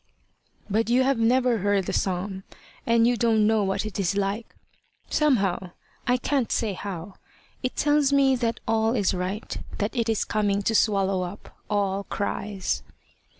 "But you have never heard the psalm, and you don't know what it is like. Somehow, I can't say how, it tells me that all is right; that it is coming to swallow up all cries."